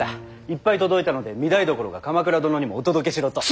いっぱい届いたので御台所が鎌倉殿にもお届けしろと。